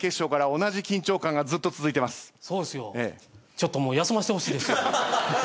ちょっと休ませてほしいですよ。